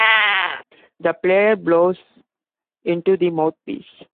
The player blows into the mouthpiece.